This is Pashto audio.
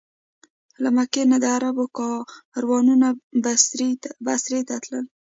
له مکې نه د عربو کاروانونه بصرې ته تلل.